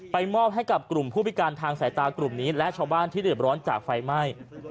มอบให้กับกลุ่มผู้พิการทางสายตากลุ่มนี้และชาวบ้านที่เดือดร้อนจากไฟไหม้